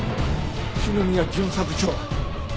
篠宮巡査部長は？